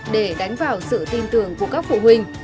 để đánh vào sự tin tưởng của các phụ huynh